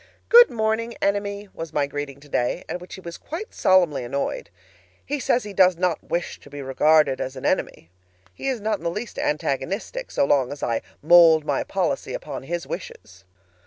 "Good morning, Enemy!" was my greeting today, at which he was quite solemnly annoyed. He says he does not wish to be regarded as an enemy. He is not in the least antagonistic so long as I mold my policy upon his wishes!